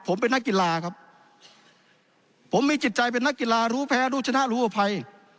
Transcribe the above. ผมเป็นนักกีฬาครับผมมีจิตใจเป็นนักกีฬารู้แพ้รู้ชนะรู้อภัย